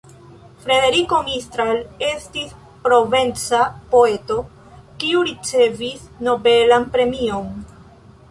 Frederiko Mistral estis provenca poeto, kiu ricevis nobelan premion.